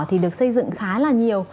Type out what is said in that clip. thì được xây dựng khá là nhiều